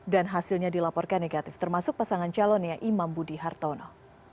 dan hasilnya dilaporkan negatif termasuk pasangan calonnya imam budi hartono